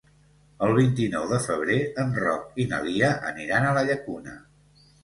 El vint-i-nou de febrer en Roc i na Lia aniran a la Llacuna.